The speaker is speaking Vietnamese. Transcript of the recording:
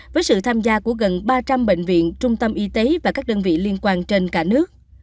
với sự tham gia của gần ba trăm linh bệnh viện trung tâm y tế và các đơn vị liên quan trên cả nước